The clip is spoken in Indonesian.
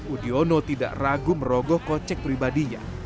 udiono tidak ragu merogoh kocek pribadinya